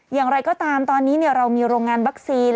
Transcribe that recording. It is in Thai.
อย่างไรก็ตามตอนนี้เรามีโรงงานวัคซีน